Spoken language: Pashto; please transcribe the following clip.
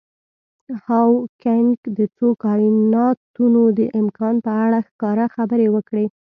هاوکېنګ د څو کایناتونو د امکان په اړه ښکاره خبرې وکړي.